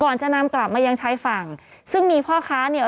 ก่อนจะนำกลับมันยังใช้ฝั่งซึ่งมีพ่อค้าเนี้ย